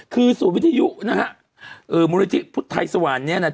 คือศูนย์วิทยุนะฮะมูลนิธิพุทธไทยสวรรค์เนี่ยนะ